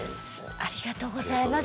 ありがとうございます。